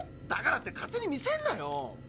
だからって勝手に見せんなよ。